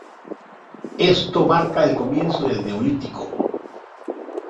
Esto marca el comienzo del Neolítico.